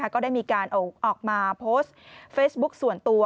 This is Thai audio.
ก็ได้มีการออกมาโพสต์เฟซบุ๊คส่วนตัว